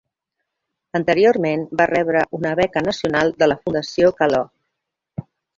Anteriorment va rebre una beca nacional de la Fundació Kellogg.